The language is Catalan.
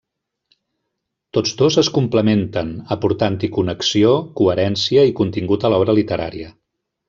Tots dos es complementen, aportant-hi connexió, coherència i contingut a l'obra literària.